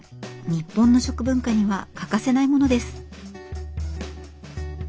日本の食文化には欠かせないものです。